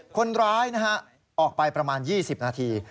คนร้ายออกไปประมาณ๒๐นาที